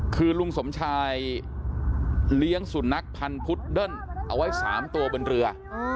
คือลุงสมชายเลี้ยงสุนัขพันธ์พุดเดิ้ลเอาไว้๓ตัวบนเรือ